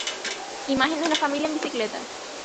Imagen de una familia en biciletas